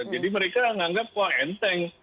jadi mereka menganggap kok enteng